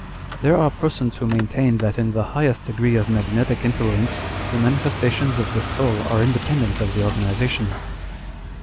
" There are persons who maintain that in the highest degree of magnetic influence, the manifestations of the soul are independent of the organization."